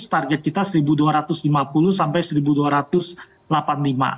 target kita seribu dua ratus lima puluh sampai rp satu dua ratus delapan puluh lima